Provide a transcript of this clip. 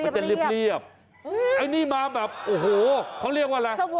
จะเรียบไอ้นี่มาแบบโอ้โหเขาเรียกว่าอะไร